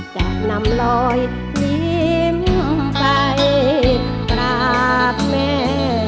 อยากนำรอยลิ้มไปกลับแม่